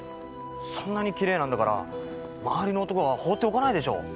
そんなにきれいなんだから周りの男は放っておかないでしょう？